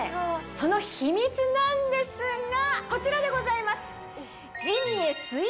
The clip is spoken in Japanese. その秘密なんですがこちらでございます。